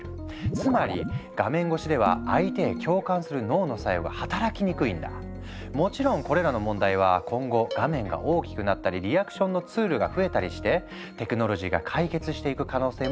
つまりもちろんこれらの問題は今後画面が大きくなったりリアクションのツールが増えたりしてテクノロジーが解決していく可能性もあるかもしれない。